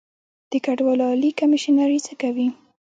د کډوالو عالي کمیشنري څه کوي؟